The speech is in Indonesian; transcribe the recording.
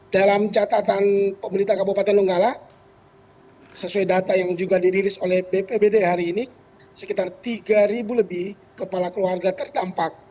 dalam catatan pemerintah kabupaten donggala sesuai data yang juga dirilis oleh bpbd hari ini sekitar tiga lebih kepala keluarga terdampak